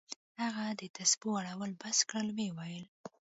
هغه د تسبو اړول بس كړل ويې ويل.